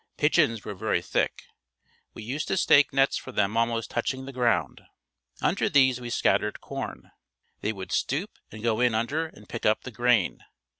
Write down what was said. Pigeons were very thick. We used to stake nets for them almost touching the ground. Under these we scattered corn. They would stoop and go in under and pick up the grain.